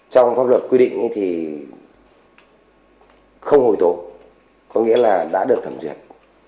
trong pháp luật quy định thì không hồi tố có nghĩa là đã được thẩm duyệt